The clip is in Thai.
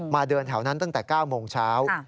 เดินแถวนั้นตั้งแต่๙โมงเช้า